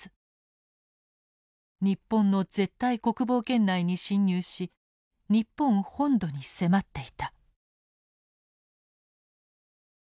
日本の絶対国防圏内に侵入し日本本土に迫っていた。